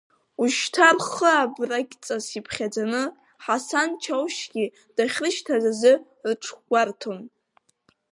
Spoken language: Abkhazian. Ушьҭа рхы абрагьҵас иԥхьаӡаны Ҳасан Чаушьгьы дахьрышьҭаз азы рыҽгәарҭон.